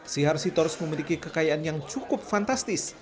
sihar sitorus memiliki kekayaan yang cukup fantastis